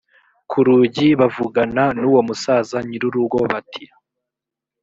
ku rugi bavugana n uwo musaza nyir urugo bati